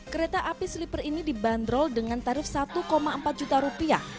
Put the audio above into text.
kereta api sleeper ini dibanderol dengan tarif satu empat juta rupiah